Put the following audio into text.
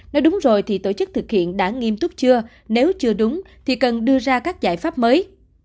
nói đúng rồi thì tổ chức thực hiện đã nghiêm túc chưa nếu chưa đúng thì cần đưa ra các giải pháp mới